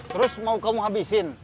terus mau kamu habisin